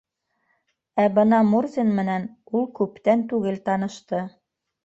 Ә бына Мурзин менән ул күптән түгел танышты.